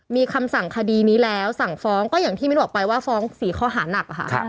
มีคำสั่งคดีนี้แล้วสั่งฟ้องก็อย่างที่มิ้นบอกไปว่าฟ้อง๔ข้อหานักค่ะ